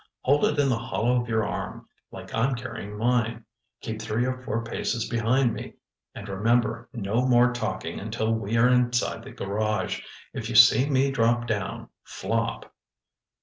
Hold it in the hollow of your arm, like I'm carrying mine. Keep three or four paces behind me—and remember, no more talking until we are inside the garage. If you see me drop down—flop!"